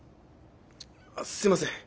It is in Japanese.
あすいません。